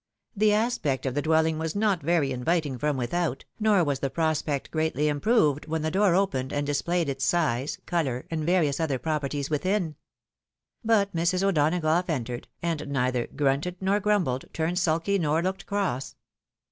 The aspect of the dwelling was not very inviting from without, nor was the prospect greatly improved when the door opened and displayed its size, colour, and various other properties within. But Mrs. O'Donagough entered, and neither " grunted nor grumbled, turned sulky nor looked cross."